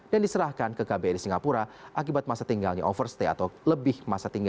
dan diserahkan ke kb di singapura akibat masa tinggalnya oversteering